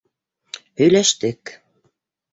Һөйләштек!